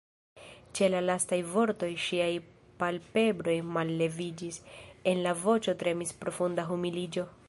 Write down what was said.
Ĉe la lastaj vortoj ŝiaj palpebroj malleviĝis; en la voĉo tremis profunda humiliĝo.